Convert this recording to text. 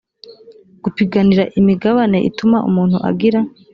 gupiganira imigabane ituma umuntu agira